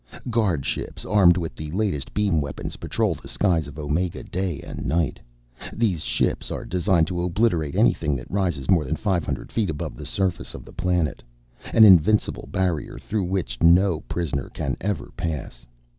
Guardships armed with the latest beam weapons patrol the skies of Omega day and night. These ships are designed to obliterate anything that rises more than five hundred feet above the surface of the planet an invincible barrier through which no prisoner can ever pass.